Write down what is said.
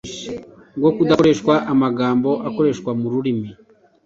bwo kudashakisha amagambo akoreshwa mu rurimi